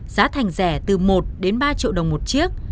giá thành rẻ từ một đến ba triệu đồng một chiếc